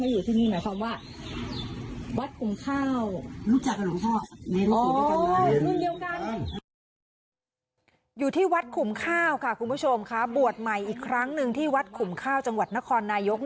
อยู่ที่วัดขุมข้าวค่ะคุณผู้ชมค่ะบวชใหม่อีกครั้งหนึ่งที่วัดขุมข้าวจังหวัดนครนายก